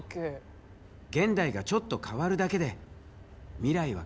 現代がちょっと変わるだけで未来は変わるからね。